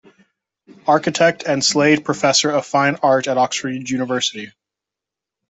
Architect and Slade Professor of Fine Art at Oxford University.